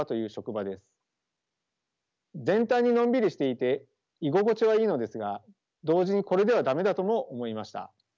全体にのんびりしていて居心地はいいのですが同時にこれでは駄目だとも思いました。